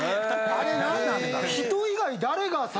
・あれ何なんだ・